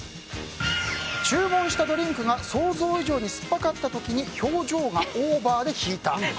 注文したドリンクが想像以上に酸っぱかった時に表情がオーバーで引いた。